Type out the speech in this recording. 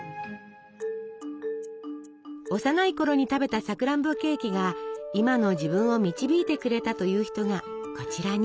幼いころに食べたさくらんぼケーキが今の自分を導いてくれたという人がこちらに。